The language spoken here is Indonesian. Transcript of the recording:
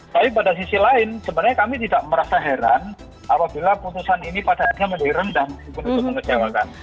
tapi pada sisi lain sebenarnya kami tidak merasa heran apabila putusan ini pada akhirnya menyeram dan mengecewakan